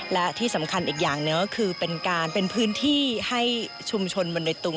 และที่สำคัญอีกอย่างหนึ่งก็คือเป็นการเป็นพื้นที่ให้ชุมชนบนดอยตุง